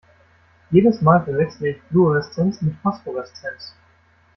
Jedes Mal verwechsle ich Fluoreszenz mit Phosphoreszenz.